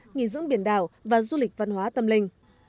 nghỉ dưỡng biển đảo và du lịch văn hóa tâm linh